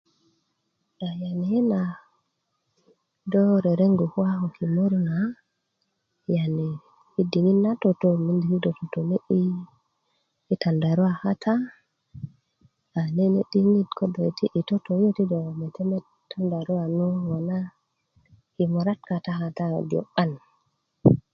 yani yina do rereŋgu kuwa ko kimur na yani yi diŋit na toto miindi ti do totoni' yi tandarua kata aa nene' diŋit ko do ti yi toto yu ti do metemet tandurua nu kode' ŋona ko kimurat kata kata yu kode' 'ban